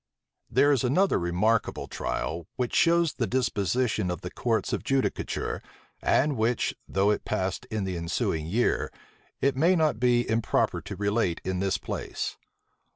There is another remarkable trial, which shows the disposition of the courts of judicature, and which, though it passed in the ensuing year, it may not be improper to relate in this place.